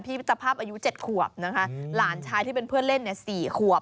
มิตรภาพอายุ๗ขวบนะคะหลานชายที่เป็นเพื่อนเล่นเนี่ย๔ขวบ